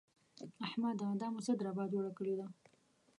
احمده! دا مو څه دربه جوړه کړې ده؟!